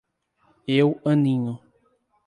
Eu aninho.